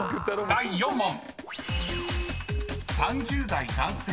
［第４問］